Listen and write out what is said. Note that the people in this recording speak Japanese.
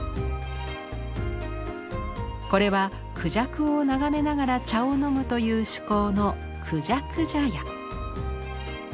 これは孔雀を眺めながら茶を飲むという趣向の孔雀茶屋。